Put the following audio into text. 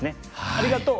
ありがとう！